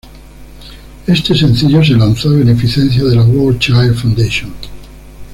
Este sencillo se lanzó a beneficencia de la War Child Fundation.